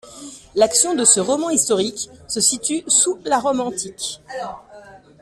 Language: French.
L'action de ce roman historique se situe sous la Rome antique.